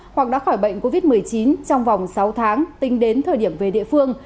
hoặc đã khỏi bệnh covid một mươi chín trong vòng sáu tháng tính đến thời điểm về địa phương